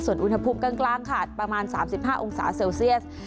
ส่วนอุณหภูมิกลางกลางค่ะประมาณสามสิบห้าองศาเซลเซลเซียส